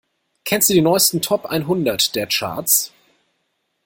Kennst du die neusten Top einhundert der Charts?